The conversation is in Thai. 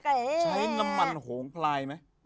ใช้น้ำมันโหงพลายไหม